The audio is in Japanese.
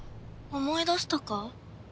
思い出したか？